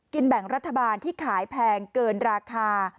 แบ่งรัฐบาลที่ขายแพงเกินราคา